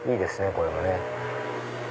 これもね。